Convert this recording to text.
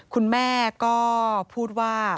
คุณแม่ก็พูดว่า